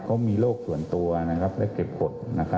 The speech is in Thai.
เขามีโรคส่วนตัวและเก็บกฎ